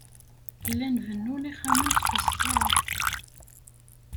Llan bennun ixxamen s wesɣar.